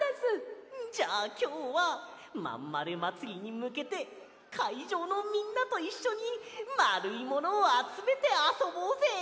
じゃあきょうはまんまるまつりにむけてかいじょうのみんなといっしょにまるいものをあつめてあそぼうぜ！